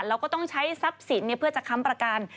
แล้วก็ต้องใช้ทรัพย์สินเพื่อจะค้ำประกัน